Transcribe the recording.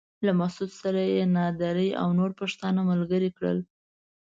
له مسعود سره يې نادري او نور پښتانه ملګري کړل.